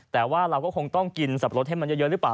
แต่ว่าเราก็คงต้องกินสับปะรดให้มันเยอะหรือเปล่า